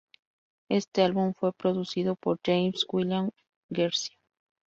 Este álbum fue producido por James William Guercio.